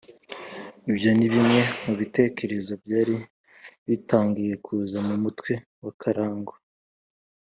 ibyo ni bimwe mu bitekerezo byari bitangiye kuza mu mutwe wa karangwa.